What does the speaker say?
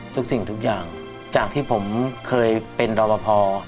สิ่งทุกอย่างจากที่ผมเคยเป็นรอปภ